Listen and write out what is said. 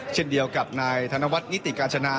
เช่นเดียวกับนายธนวัฒนิติกาญจนา